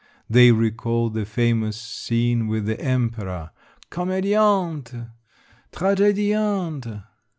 They recalled that famous scene with the Emperor: Com^diante !... tragMiante